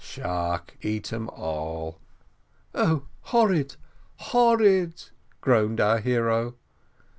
"Shark eat 'em all." "Oh, horrid, horrid!" groaned our hero.